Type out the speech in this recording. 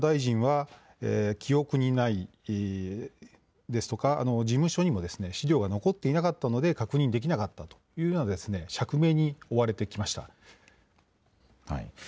そのたびに山際大臣は記憶にないですとか事務所にも資料が残っていなかったので確認できなかったというような釈明に追われてきました。